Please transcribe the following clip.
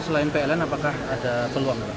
selain pln apakah ada peluang pak